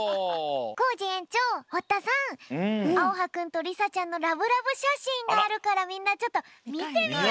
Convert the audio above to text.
コージえんちょう堀田さんあおはくんとりさちゃんのラブラブしゃしんがあるからみんなちょっとみてみよう！